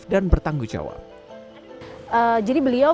dan bertanggung jawab